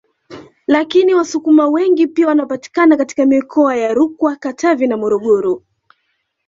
Lakini Wasukuma wengi pia wanapatikana katika mikoa ya Rukwa Katavi na Morogoro